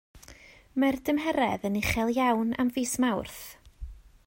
Mae'r dymheredd yn uchel iawn am fis Mawrth.